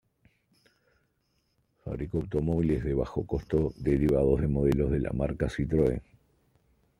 Fabricó automóviles de bajo costo derivados de modelos de la marca Citroën.